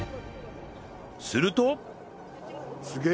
すると